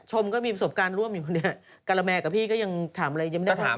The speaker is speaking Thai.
ก็มีประสบการณ์ร่วมอยู่เนี่ยการะแมกับพี่ก็ยังถามอะไรยังไม่ได้ถาม